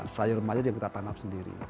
sayur remaja yang kita tanam sendiri